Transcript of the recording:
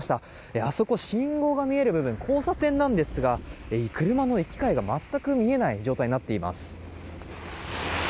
あそこ、信号が見える部分交差点なんですが車の行き交いが全く見えない状態になっています。